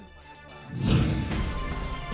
ส่วนการประชุมคณะกรรมอธิการป้องกันและปรับปาม